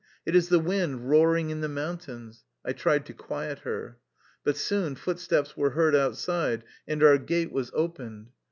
It is the wind roaring in the mountains," I tried to quiet her. But soon footsteps were heard outside, and our gate was opened.